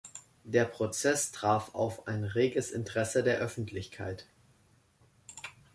Der Prozess traf auf ein reges Interesse der Öffentlichkeit.